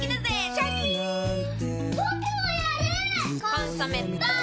「コンソメ」ポン！